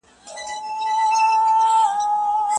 الله تعالی د ميرمنو په اړه خاوندانو ته کوم امر کړی دی؟